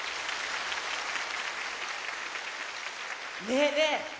ねえねえ！